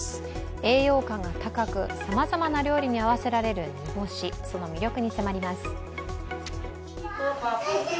栄養価が高く、さまざまな料理に合わせられる煮干しその魅力に迫ります。